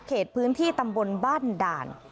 เขตพื้นที่ตำบลบ้านด่าน